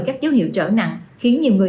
các dấu hiệu trở nặng khiến nhiều người